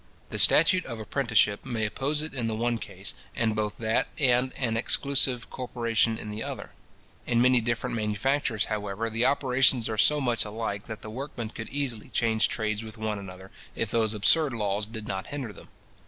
The statute of apprenticeship may oppose it in the one case, and both that and an exclusive corporation in the other. In many different manufactures, however, the operations are so much alike, that the workmen could easily change trades with one another, if those absurd laws did not hinder them.